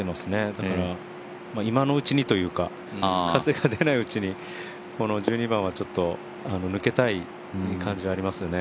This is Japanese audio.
だから、今のうちにというか風が出ないうちにこの１２番はちょっと抜けたい感じはありますよね。